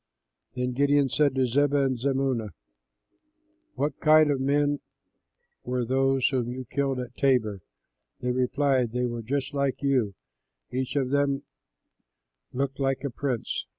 Then Gideon said to Zebah and Zalmunna, "What kind of men were those whom you killed at Tabor?" They replied, "They were just like you; each of them looked like a prince."